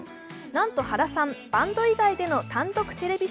なんと原さん、バンド以外での単独テレビ